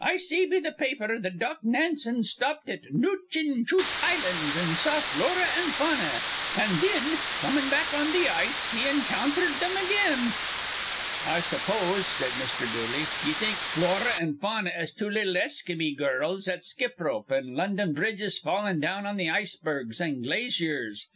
I see be th' pa aper that Doc Nansen stopped at Nootchinchoot Islands, an' saw Flora an' Fauna; an' thin, comin' back on th' ice, he encountherd thim again." "I suppose," said Mr. Dooley, "ye think Flora an' Fauna is two little Eskeemy girls at skip rope an' 'London bridge is fallin' down' on th' icebergs an' glaziers.